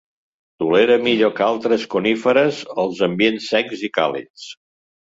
Tolera millor que altres coníferes els ambients secs i càlids.